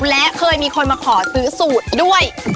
และเคยมีคนมาขอซื้อสูตรด้วย